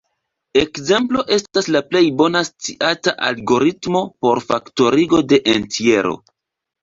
Ekzemplo estas la plej bona sciata algoritmo por faktorigo de entjero.